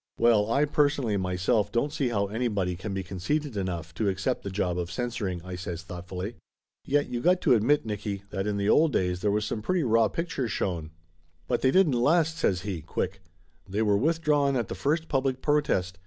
"Well, I personally myself don't see how anybody can be conceited enough to accept the job of censoring," I says thoughtfully. "Yet you got to admit, Nicky, that in the old days there was some pretty raw pictures shown." "But they didn't last !" says he, quick. "They were withdrawn at the first public protest.